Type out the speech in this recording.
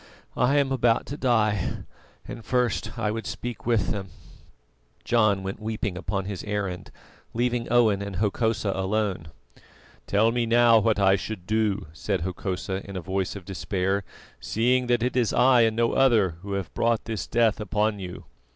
I am about to die, and first I would speak with them." John went weeping upon his errand, leaving Owen and Hokosa alone. "Tell me now what shall I do?" said Hokosa in a voice of despair, "seeing that it is I and no other who have brought this death upon you."